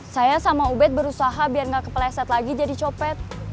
saya sama ubed berusaha biar nggak kepleset lagi jadi copet